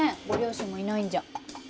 ご両親もいないんじゃ。